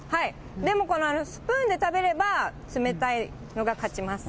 でもこのスプーンで食べれば、冷たいのが勝ちます。